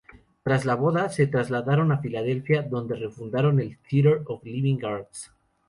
Tras la boda, se trasladaron a Filadelfia, donde refundaron el Theatre of Living Arts.